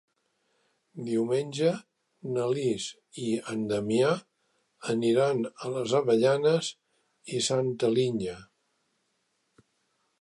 Diumenge na Lis i en Damià aniran a les Avellanes i Santa Linya.